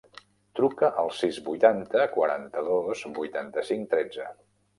Truca al sis, vuitanta, quaranta-dos, vuitanta-cinc, tretze.